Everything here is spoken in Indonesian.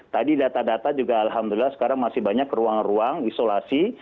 tadi data data juga alhamdulillah sekarang masih banyak ruang ruang isolasi